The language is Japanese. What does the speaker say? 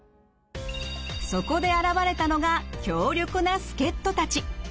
そこで現れたのが強力な助っとたち。